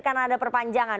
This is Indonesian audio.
karena ada perpanjangan